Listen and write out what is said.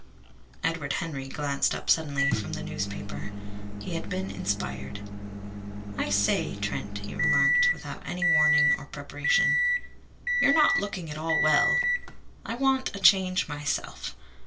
Edward Henry glanced up suddenly from the newspaper. He had been inspired. "I say, Trent," he remarked, without any warning or preparation, "you're not looking at all well. I want a change myself.